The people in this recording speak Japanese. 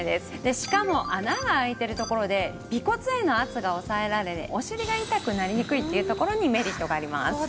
しかも穴が開いてるところで尾骨への圧が抑えられお尻が痛くなりにくいっていうところにメリットがあります。